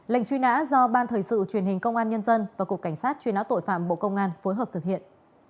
lệnh truy nã do ban thời sự truyền hình công an nhân dân và cục cảnh sát truy nã tội phạm bộ công an phối hợp thực hiện